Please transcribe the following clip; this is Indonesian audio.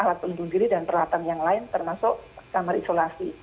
alat pelindung diri dan peralatan yang lain termasuk kamar isolasi